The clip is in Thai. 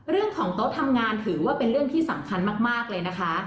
เรื่องของโต๊ะทำงานถือว่าเป็นเรื่องที่สำคัญมากเลยนะคะ